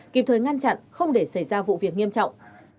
kịp thời ngăn chặn không để xảy ra vụ việc nghiêm trọng